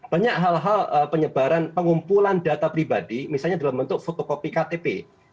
banyak hal hal penyebaran pengumpulan data pribadi misalnya dalam bentuk fotokopi ktp